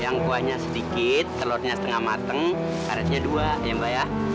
yang kuahnya sedikit telurnya setengah mateng karetnya dua ya mbak ya